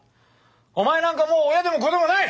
お前なんかもう親でも子でもない！